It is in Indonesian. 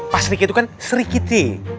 pak sri kiti itu kan sri kiti